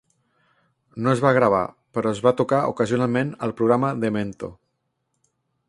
No es va gravar, però es va tocar ocasionalment al programa Demento.